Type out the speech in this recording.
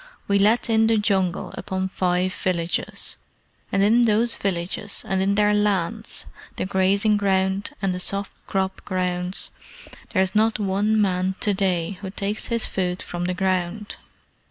We let in the Jungle upon five villages; and in those villages, and in their lands, the grazing ground and the soft crop grounds, there is not one man to day who takes his food from the ground.